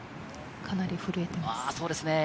かなり震えています。